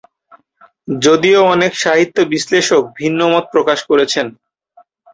যদিও অনেক সাহিত্য বিশ্লেষক ভিন্নমত প্রকাশ করেছেন।